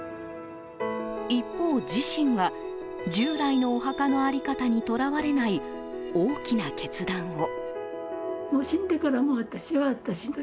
一方、自身は従来のお墓の在り方にとらわれない、大きな決断を。